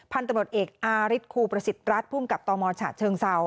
พันธุ์ตำรวจเอกอาริสครูประสิทธิ์รัฐภูมิกับตมฉะเชิงเซา